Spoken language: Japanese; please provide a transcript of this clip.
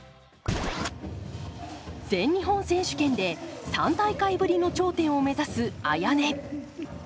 全日本選手権で３大会ぶりの頂点を目指すＡＹＡＮＥ。